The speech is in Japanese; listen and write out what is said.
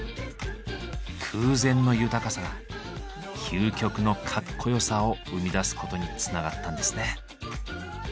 空前の豊かさが究極のかっこよさを生み出すことにつながったんですね。